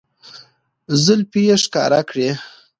زلفې يې ښکاره کړې